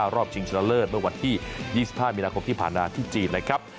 รอบชิงชนะเลิศเมื่อวันที่๒๕มีนาคมที่ผ่านมาที่จีนนะครับ